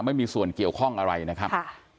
ไม่มีส่วนเกี่ยวข้องอะไรนะครับ